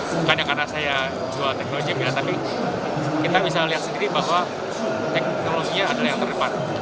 bukan karena saya jual tekno gym ya tapi kita bisa lihat sendiri bahwa teknologinya adalah yang terdepan